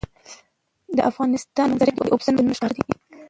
د افغانستان په منظره کې اوبزین معدنونه ښکاره ده.